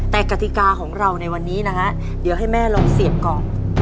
แต่กติกาของเราในวันนี้นะฮะเดี๋ยวให้แม่ลองเสียบก่อน